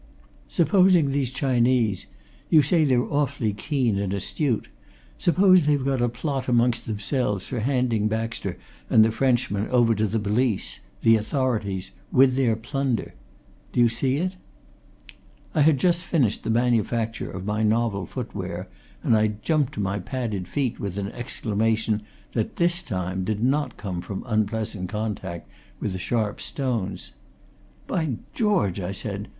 "Supposing these Chinese you say they're awfully keen and astute supposing they've got a plot amongst themselves for handing Baxter and the Frenchman over to the police the authorities with their plunder? Do you see?" I had just finished the manufacture of my novel foot wear, and I jumped to my padded feet with an exclamation that this time did not come from unpleasant contact with the sharp stones. "By George!" I said.